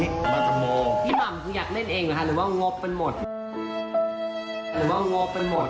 พี่ร่ำคุณอยากเล่นเองหรือว่างบุญเป็นหมด